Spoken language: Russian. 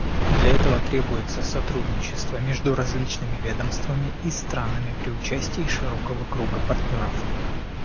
Для этого требуется сотрудничество между различными ведомствами и странами при участии широкого круга партнеров.